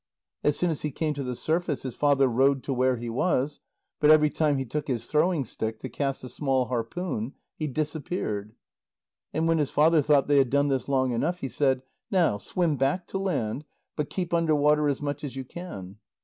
As soon as he came to the surface, his father rowed to where he was, but every time he took his throwing stick to cast a small harpoon, he disappeared. And when his father thought they had done this long enough, he said: "Now swim back to land, but keep under water as much as you can."